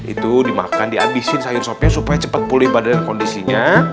itu dimakan di abisin sayur sopnya supaya cepet pulih badan kondisinya